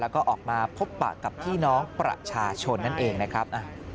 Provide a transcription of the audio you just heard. แล้วก็ออกมาพบปะกับพี่น้องประชาชนนั่นเองนะครับ